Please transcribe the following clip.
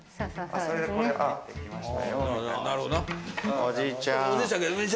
おじいちゃん。